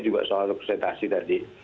juga soal representasi tadi